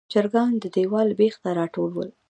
چرګان د دیواله بیخ ته راټول ول.